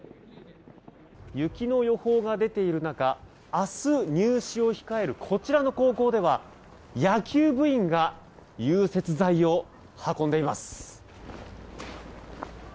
雪の予報が出ている中明日入試を控えるこちらの高校では野球部員が融雪剤を運んでいます。